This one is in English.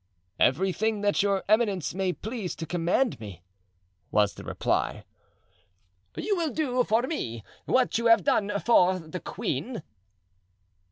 "Everything that your eminence may please to command me," was the reply. "You will do for me what you have done for the queen?"